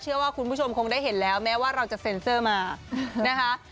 เชื่อว่าคุณผู้ชมคงได้เห็นแล้วแม้ว่าเราจะเซ็นเซอร์มานะคะ